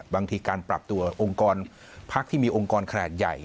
บางทีการปรับตัวองค์กรพักที่มีองค์กรขนาดใหญ่